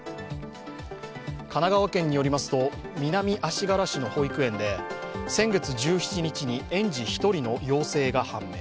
神奈川県によりますと南足柄市の保育園で先月１７日に園児１人の陽性が判明。